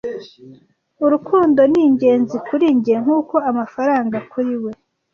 Urukundo ni ingenzi kuri njye nkuko amafaranga kuri we.